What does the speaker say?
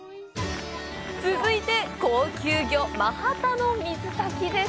続いて、高級魚・マハタの水炊きです。！